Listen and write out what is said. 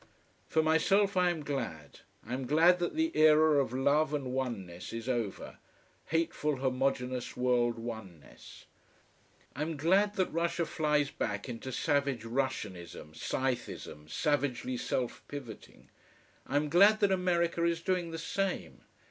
For myself, I am glad. I am glad that the era of love and oneness is over: hateful homogeneous world oneness. I am glad that Russia flies back into savage Russianism, Scythism, savagely self pivoting. I am glad that America is doing the same.